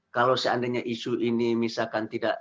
kalau seandainya isu ini misalkan tidak